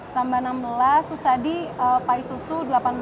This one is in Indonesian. tambah enam belas susadi pai susu delapan belas